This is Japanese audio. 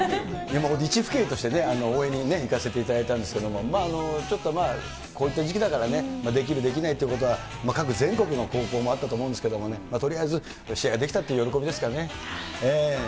一父兄としてね、応援に行かせていただいたんですけれども、まあ、ちょっとまあ、こういった時期だからね、できる、できないということは各全国の高校もあったと思うんですけれども、とりあえず試合ができたっていう喜びですかね。